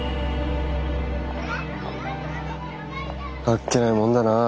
あっけないもんだな。